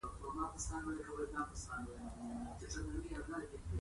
پښتو ژبه له ادبي اړخه یوه بډایه ژبه ده.